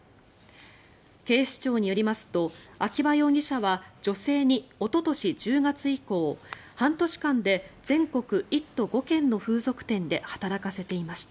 警視庁によりますと秋葉容疑者は女性におととし１０月以降、半年間で全国１都５県の風俗店で働かせていました。